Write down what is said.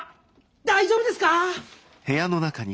⁉大丈夫ですか？